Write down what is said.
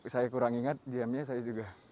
saya kurang ingat jamnya saya juga